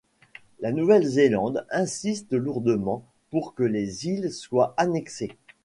La Nouvelle-Zélande insiste lourdement pour que les îles soient annexées.